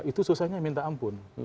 itu susahnya minta ampun